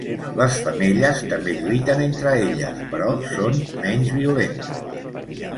Les femelles també lluiten entre elles, però són menys violentes.